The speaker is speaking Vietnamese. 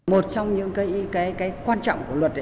một trong những cái quan trọng của luật